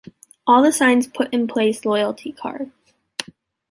All the signs put in place loyalty cards.